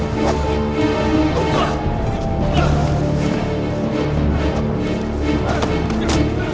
pergi kamu dari sini pergi